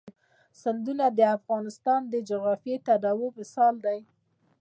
سیندونه د افغانستان د جغرافیوي تنوع مثال دی.